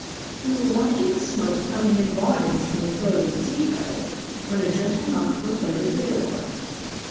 We were watching the smoke coming in volumes from the throat of the tea kettle, when a gentle knock was heard at the door.